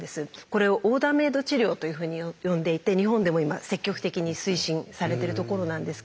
これを「オーダーメイド治療」というふうに呼んでいて日本でも今積極的に推進されてるところなんですけれども。